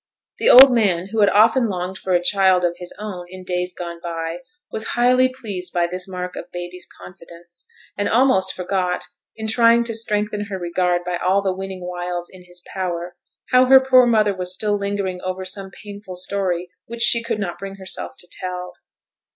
The old man, who had often longed for a child of his own in days gone by, was highly pleased by this mark of baby's confidence, and almost forgot, in trying to strengthen her regard by all the winning wiles in his power, how her poor mother was still lingering over some painful story which she could not bring herself to tell.